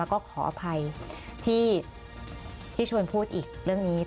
แล้วก็ขออภัยที่ชวนพูดอีกเรื่องนี้